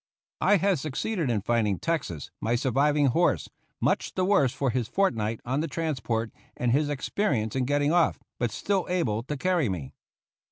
I had succeeded in finding Texas, my surviving horse, much the worse for his fortnight on the transport and his experience in getting off, but still able to carry me.